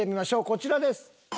こちらです。